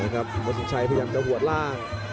ครับสุชัยพยายามจะหวัดล่าง